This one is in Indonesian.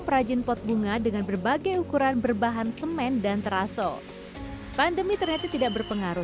perajin pot bunga dengan berbagai ukuran berbahan semen dan teraso pandemi ternyata tidak berpengaruh